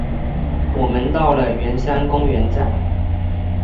我们到了圆山公园站